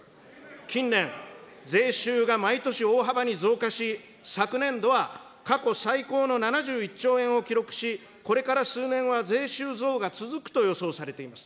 近年、税収が毎年大幅に増加し、昨年度は過去最高の７１兆円を記録し、これから数年は税収増が続くと予想されています。